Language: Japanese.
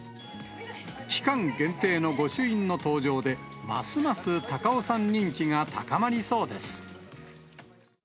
期間限定の御朱印の登場で、ますます高尾山人気が高まりそうです。